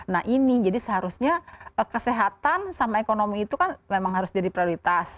nah ini jadi seharusnya kesehatan sama ekonomi itu kan memang harus jadi prioritas